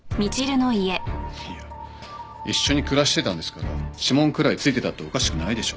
いや一緒に暮らしてたんですから指紋くらいついてたっておかしくないでしょ。